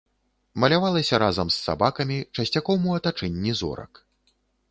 Малявалася разам з сабакамі, часцяком у атачэнні зорак.